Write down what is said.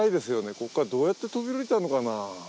ここからどうやって飛び降りたのかな。